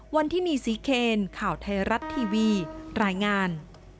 วันที่มีศรีเคนข่าวไทยรัฐทีวีรายงาน